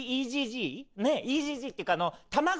ねえＥＧＧっていうか卵。